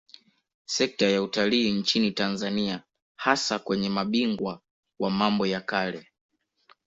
Sekta ya Utalii nchini Tanzania hasa kwenye mabingwa wa mambo ya kale